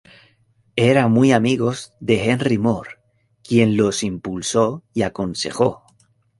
Era muy amigos de Henry Moore, quien los impulsó y aconsejó.